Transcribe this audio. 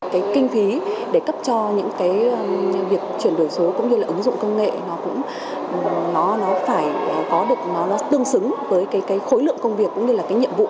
cái kinh phí để cấp cho những cái việc chuyển đổi số cũng như là ứng dụng công nghệ nó cũng phải có được nó tương xứng với cái khối lượng công việc cũng như là cái nhiệm vụ